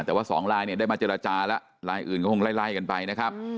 แต่ว่าสองลายเนี่ยได้มาเจรจาแล้วลายอื่นก็คงไล่กันไปนะครับ